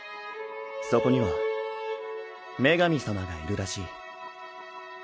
そこには女神様がいるらしい。